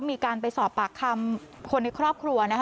มีการไปสอบปากคำคนในครอบครัวนะคะ